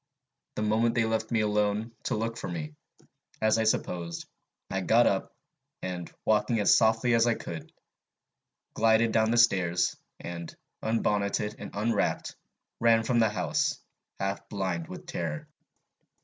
The moment they left me alone, to look for me, as I supposed, I got up, and, walking as softly as I could, glided down the stairs, and, unbonneted and unwrapped, ran from the house, half blind with terror.